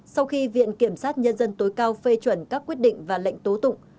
sau khi viện kiểm sát nhân dân tối cao phê chuẩn các quyết định và lệnh tố tụng